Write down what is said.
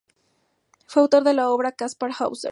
Fue el autor de la obra "Kaspar Hauser.